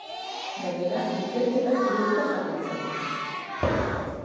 Gainera, ikerketak irekita jarraitzen du.